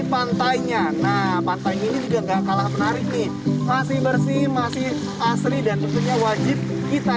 pantainya nah pantai ini juga enggak kalah menarik nih masih bersih masih asli dan tentunya wajib kita